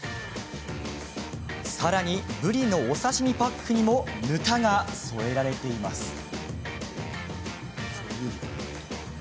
さらに、ぶりのお刺身パックにもぬたが添えられています。